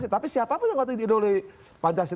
tapi siapapun yang tidak diidoli pancasila